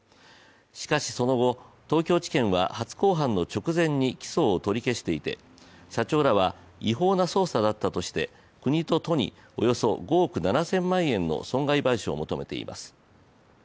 しかしその後、東京地検は初公判の直前に起訴を取り消していて社長らは違法な捜査だったとして国と都におよそ５億７０００万円の損害賠償を求めています。